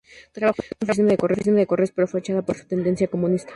Trabajó en una oficina de correos pero fue echada por su tendencia comunista.